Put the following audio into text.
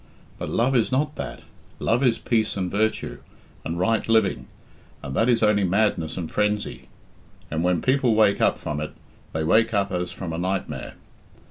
But love is not that. Love is peace and virtue, and right living, and that is only madness and frenzy, and when people wake up from it they wake up as from a nightmare.